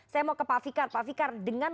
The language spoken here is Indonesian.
saya mau ke pak fikar pak fikar dengan